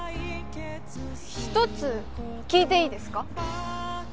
一つ聞いていいですか？